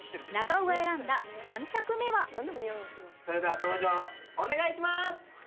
そしてそれでは登場お願いします！